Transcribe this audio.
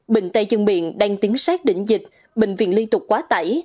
bệnh tay chân miệng đang tiến sát đỉnh dịch bệnh viện liên tục quá tải